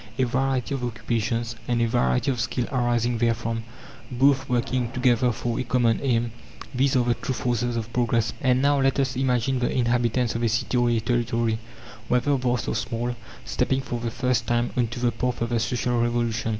A variety of occupations, and a variety of skill arising therefrom, both working together for a common aim these are the true forces of progress. And now let us imagine the inhabitants of a city or a territory whether vast or small stepping for the first time on to the path of the Social Revolution.